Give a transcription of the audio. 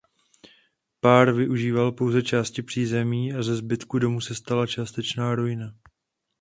Pár využíval pouze části přízemí a ze zbytku domu se stala částečná ruina.